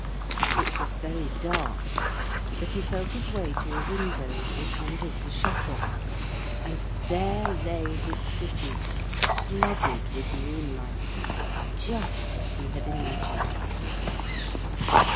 It was very dark, but he felt his way to a window and undid the shutter, and there lay his city, flooded with moonlight, just as he had imagined it.